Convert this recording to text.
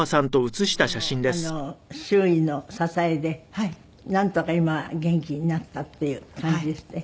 でも周囲の支えでなんとか今は元気になったっていう感じですって？